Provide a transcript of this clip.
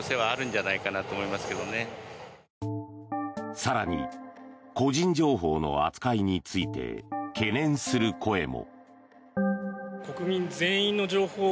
更に、個人情報の扱いについて懸念する声も。